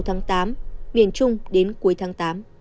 đầu tháng tám miền trung đến cuối tháng tám